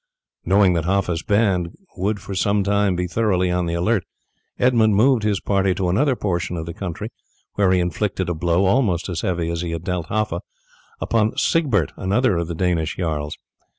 Knowing that Haffa's band would for some time be thoroughly on the alert Edmund moved his party to another portion of the country, where he inflicted a blow, almost as heavy as he had dealt Haffa, upon Sigbert, another of the Danish jarls.